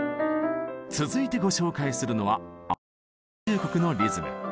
続いてご紹介するのはアメリカ合衆国のリズム。